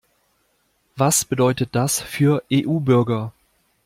Was bedeutet das für EU-Bürger?